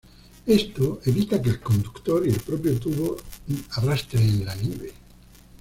Esto evita que el conductor y el propio tubo arrastre en la nieve.